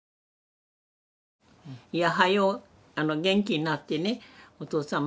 はよう元気になってねお父さん